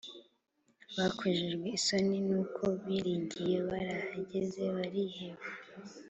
bakojejwe isoni n’uko biringiye, barahageze bariheba